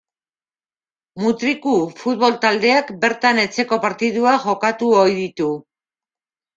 Mutriku Futbol Taldeak bertan etxeko partiduak jokatu ohi ditu.